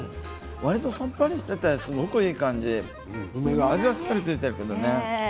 わりとさっぱりしていてすごくいい感じ、梅が味はしっかり付いているけどね。